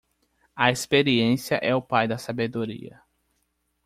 A experiência é o pai da sabedoria.